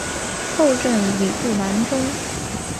后任礼部郎中。